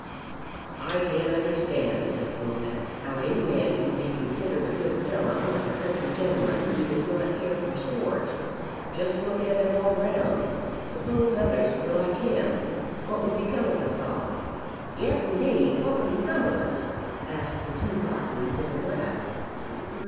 "I can't understand," said Glomax, "how any man can be considered a good fellow as a country gentleman who does not care for sport. Just look at it all round. Suppose others were like him what would become of us all?" "Yes indeed, what would become of us?" asked the two Botseys in a breath.